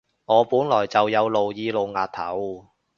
我本來就有露耳露額頭